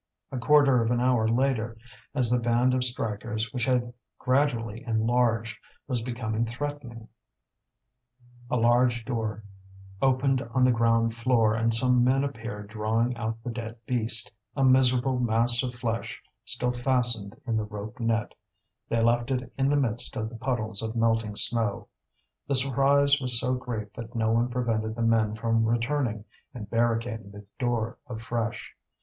A quarter of an hour later, as the band of strikers, which had gradually enlarged, was becoming threatening, a large door opened on the ground floor and some men appeared drawing out the dead beast, a miserable mass of flesh still fastened in the rope net; they left it in the midst of the puddles of melting snow. The surprise was so great that no one prevented the men from returning and barricading the door afresh.